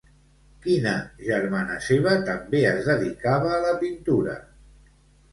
Quina germana seva també es dedicava a la pintura?